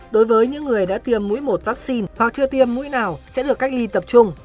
đối với những người đã tiêm mũi một vaccine hoặc chưa tiêm mũi nào sẽ được cách ly tập trung